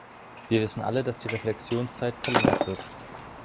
Wir wissen alle, dass die Reflexionszeit verlängert wird.